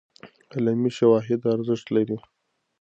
علمي شواهد ارزښت لري.